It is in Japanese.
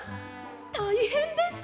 たいへんです！